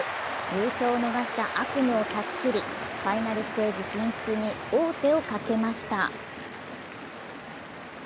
優勝を逃した悪夢を断ち切りファイナルステージ進出に王手をかけました。